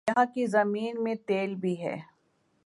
یہاں کی زمین میں تیل بھی ہے